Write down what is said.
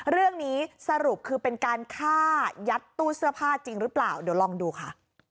เรื่องนี้สรุปคือเป็นการฆ่ายัดตู้เสื้อผ้าจริงหรือเปล่าเดี๋ยวลองดูค่ะ